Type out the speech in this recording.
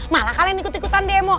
malah kalian ikut ikutan demo